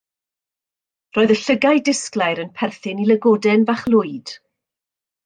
Roedd y llygaid disglair yn perthyn i lygoden fach lwyd.